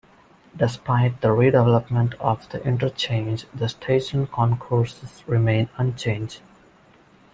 Despite the redevelopment of the interchange the station concourse remains unchanged.